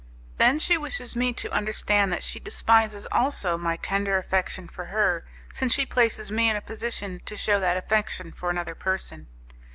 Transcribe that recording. Then she wishes me to understand that she despises also my tender affection for her, since she places me in a position to shew that affection for another person."